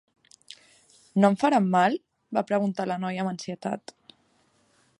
No em faran mal?, va preguntar la noia amb ansietat.